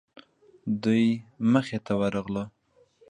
دوی مخې ته ورغلو.